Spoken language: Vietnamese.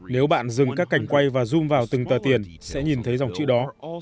nếu bạn dừng các cảnh quay và zoom vào từng tờ tiền sẽ nhìn thấy dòng chữ đó